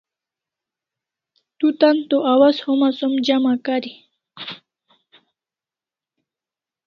Tu tan awaz homa som jama kari